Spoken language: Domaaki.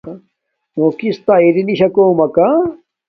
نو کس تہ اری نشاکم مکا